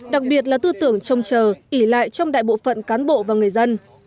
đặc biệt là tư tưởng trông chờ ỉ lại trong đại bộ phận cán bộ và người dân